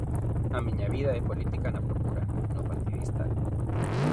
A miña vida é política na procura, no partidista.